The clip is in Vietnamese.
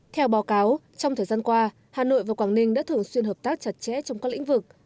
theo báo cáo trong thời gian qua hà nội và quảng ninh đã thường xuyên hợp tác chặt chẽ trong các lĩnh vực